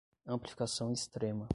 Amplificação extrema